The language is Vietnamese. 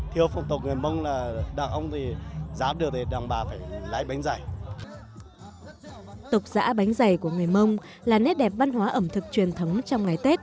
tục giã bánh dày của người mông là nét đẹp văn hóa ẩm thực truyền thống trong ngày tết